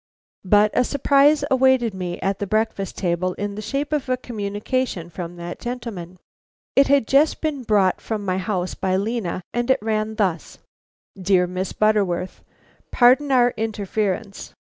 But a surprise awaited me at the breakfast table in the shape of a communication from that gentleman. It had just been brought from my house by Lena, and it ran thus: "DEAR MISS BUTTERWORTH: "Pardon our interference.